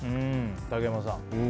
竹山さん。